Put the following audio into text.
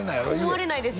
思われないです